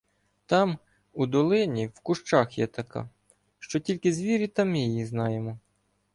Там, у долині, в кущах є така, що тільки звірі та ми її знаємо.